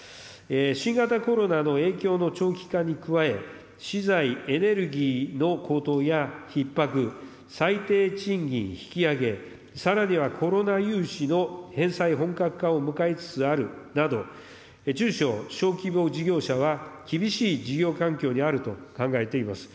新型コロナの影響の長期化に加え、資材、エネルギーの高騰や、ひっ迫、最低賃金引き上げ、さらにはコロナ融資の返済本格化を迎えつつあるなど、中小・小規模事業者は、厳しい事業環境にあると考えています。